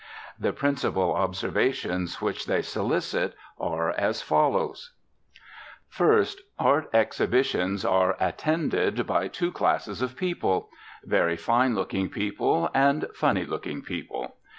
The principal observations which they solicit are as follows: First, art exhibitions are attended by two classes of people: very fine looking people, and funny looking people.